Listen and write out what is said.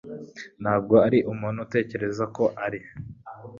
Ntabwo ari umuntu utekereza ko ari.